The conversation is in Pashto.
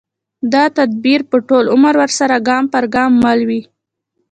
دا تدبیر به ټول عمر ورسره ګام پر ګام مل وي